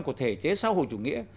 của thể chế xã hội chủ nghĩa